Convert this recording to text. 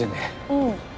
うん。